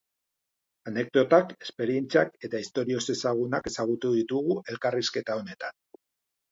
Anekdotak, esperientziak eta istorio ezezagunak ezagutu ditugu elkarrizketa honetan.